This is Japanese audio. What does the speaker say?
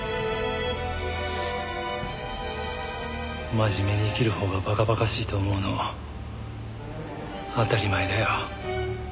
真面目に生きるほうが馬鹿馬鹿しいと思うの当たり前だよ。